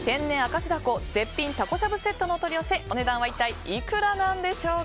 しゃぶセットのお取り寄せお値段は一体いくらなんでしょうか。